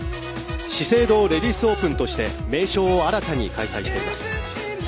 資生堂レディスオープンとして名称を新たに開催しています。